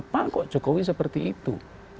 pak kok jokowi seperti itu